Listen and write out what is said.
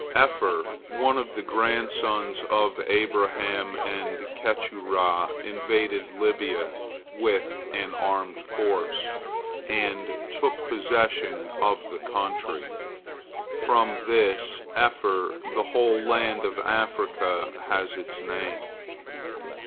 Epher, one of the grandsons of Abraham and Keturah, invaded Lybia with an armed force, and took possession of the country. From this Epher the whole land of Africa has its name.